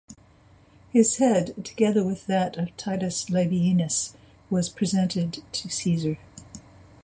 His head, together with that of Titus Labienus, was presented to Caesar.